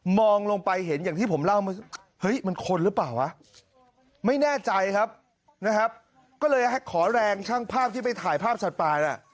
ลงไปเห็นอย่างที่ผมเล่าเมื่อเฮ้ยมันคนหรือเปล่าวะไม่แน่ใจครับนะครับก็เลยให้ขอแรงช่างภาพที่ไปถ่ายภาพสัตว์ป่าน่ะ